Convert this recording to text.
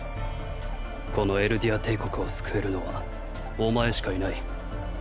このエルディア帝国を救えるのはお前しかいない。